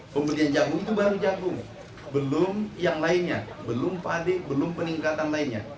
pembelian jagung itu baru jagung belum yang lainnya belum pade belum peningkatan lainnya